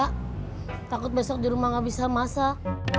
masalahnya takut besok di rumah gak bisa masak